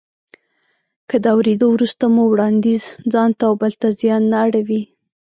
که د اورېدو وروسته مو وړانديز ځانته او بل ته زیان نه اړوي.